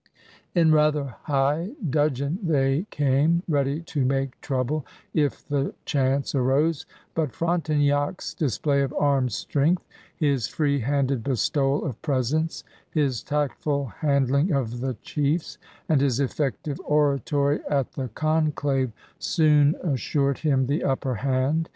In rather high dudgeon they came, ready to make trouble if the chance arose; but Frontenac's dis play of armed strength, his free handed bestowal of presents, his tactful handh'ng of the chiefs, and his effective oratory at the conclave soon assured him the upper hand.